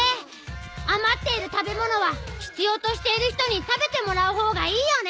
あまっている食べ物はひつようとしている人に食べてもらう方がいいよね。